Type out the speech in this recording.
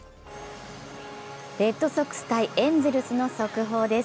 レッドソックス×エンゼルスの速報です。